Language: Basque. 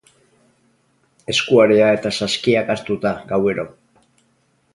Eskuarea eta saskiak hartuta, gauero.